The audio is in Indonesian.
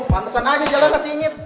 pantesan aja jalan ke singit